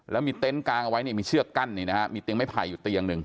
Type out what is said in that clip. แล้วมีเต็นต์กางเอาไว้เนี่ยมีเชือกกั้นนี่นะฮะมีเตียงไม้ไผ่อยู่เตียงหนึ่ง